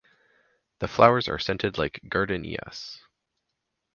The flowers are scented like gardenias.